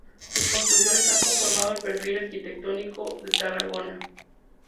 Sus construcciones han conformado el perfil arquitectónico de Tarragona.